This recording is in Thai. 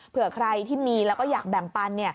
เผื่อใครที่มีแล้วก็อยากแบ่งปัน